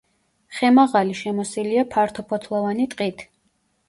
ხემაღალი შემოსილია ფართოფოთლოვანი ტყით.